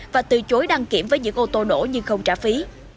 và từ chối đăng kiểm với những ô tô nổ nhưng không trả phí